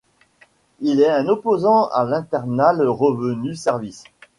Il est un opposant à l'Internal Revenue Service.